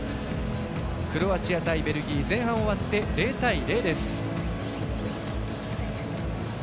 クロアチア対ベルギー前半を終わって０対０です。